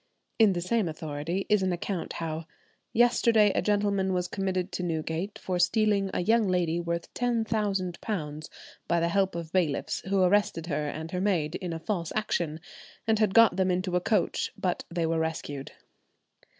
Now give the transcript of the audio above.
In the same authority is an account how—"Yesterday a gentleman was committed to Newgate for stealing a young lady worth £10,000, by the help of bailiffs, who arrested her and her maid in a false action, and had got them into a coach, but they were rescued."